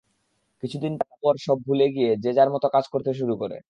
কিছু দিন পর সব ভুলে গিয়ে, যে যার মতো কাজ করতে শুরু করে।